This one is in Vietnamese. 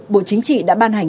bộ chính trị đã ban hành